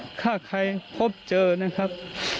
แล้วก็รวมใครพบเจอนะครับ